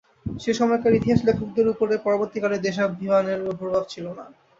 সে-সময়কার ইতিহাসলেখকদের উপরে পরবর্তী- কালের দেশাভিমানের প্রভাব ছিল না।